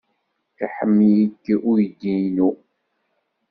Iḥemmel-ik uydi-inu.